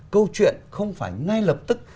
câu chuyện không phải ngay lập tức